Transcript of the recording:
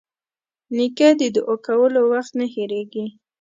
نیکه د دعا کولو وخت نه هېرېږي.